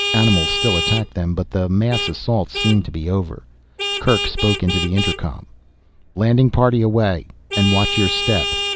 Animals still attacked them, but the mass assaults seemed to be over. Kerk spoke into the intercom. "Landing party away and watch your step.